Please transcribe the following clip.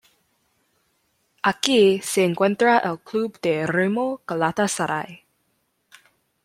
Aquí se encuentra el club de remo Galatasaray.